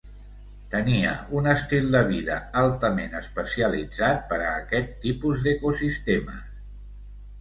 Tenia un estil de vida altament especialitzat per a aquest tipus d'ecosistemes.